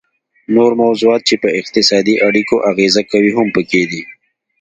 نور موضوعات چې په اقتصادي اړیکو اغیزه کوي هم پکې دي